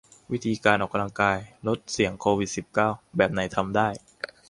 วิธีออกกำลังกายลดเสี่ยงโควิด สิบเก้า แบบไหนทำได้